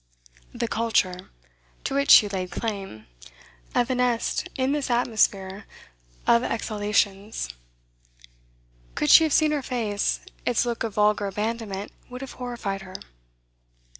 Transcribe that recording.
The 'culture,' to which she laid claim, evanesced in this atmosphere of exhalations. Could she have seen her face, its look of vulgar abandonment would have horrified her.